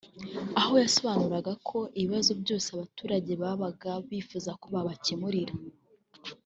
aho yasobanuraga ko ibibazo byose abaturage babaga bifuza ko yabacyemurira